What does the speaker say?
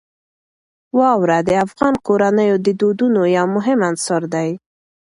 واوره د افغان کورنیو د دودونو یو مهم عنصر دی.